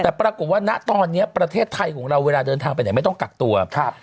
แต่ปรากฏว่าณตอนนี้ประเทศไทยของเราเวลาเดินทางไปไหนไม่ต้องกักตัวครับ